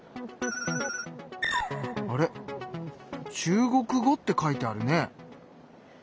あれ「中国語」って書いてあるね？